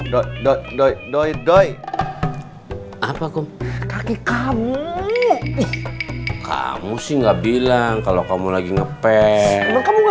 doi doi doi doi doi apa kum kaki kamu kamu sih nggak bilang kalau kamu lagi ngepel kamu